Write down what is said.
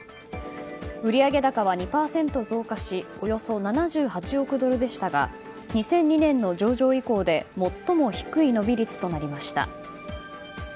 売上高は２％増加しおよそ７８億ドルでしたが２００２年の上場以降で最も低い伸び率となりました。